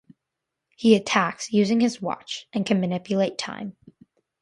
He attacks using his watch, and can manipulate time.